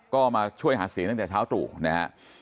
ก็มาช่วยหาเสียงตั้งแต่เช้าตรู่นะฮะ